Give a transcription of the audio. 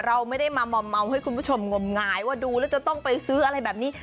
เราไม่ได้มามอมเมาให้คุณผู้ชมงมงายว่าดูแล้วจะต้องไปซื้ออะไรแบบนี้